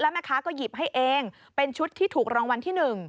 แม่ค้าก็หยิบให้เองเป็นชุดที่ถูกรางวัลที่๑